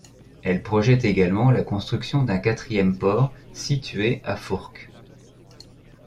Elle projette également la construction d'un quatrième Port situé à Fourques.